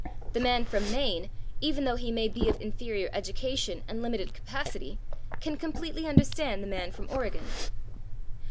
The man from Maine, even though he may be of inferior education and limited capacity, can completely understand the man from Oregon."